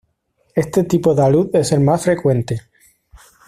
Este tipo de alud es el más frecuente.